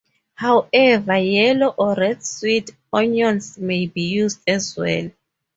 However, yellow or red sweet onions may be used as well.